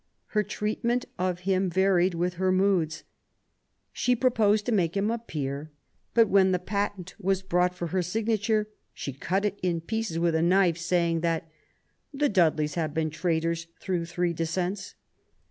Her treatment of him varied with her moods. She proposed to make him a peer, but when the patent was brought for her signature she cut it in pieces with a knife, saying that the PROBLEMS OF THE REIGN, 69 Dudleys had been traitors through three descents